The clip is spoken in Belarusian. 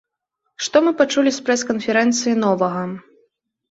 Што мы пачулі з прэс-канферэнцыі новага?